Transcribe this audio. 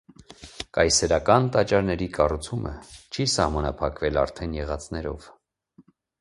Կայսերական տաճարների կառուցումը չի սահմանափակվել արդեն եղածներով։